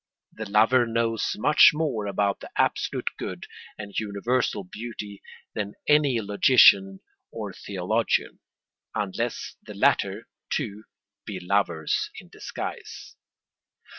The lover knows much more about absolute good and universal beauty than any logician or theologian, unless the latter, too, be lovers in disguise.